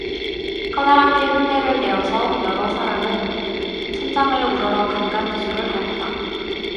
커다랗게 흉내를 내어서 여러 사람은 천장을 우러러 간간대소를 하였다.